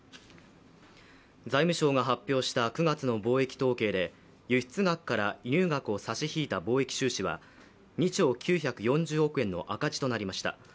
財務省が発表した９月の貿易統計で輸出額から輸入額を差し引いた貿易収支は２兆９４０億円の赤字となりました。